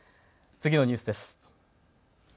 次のニュースです。